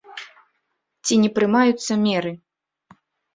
Ці не прымаюцца меры.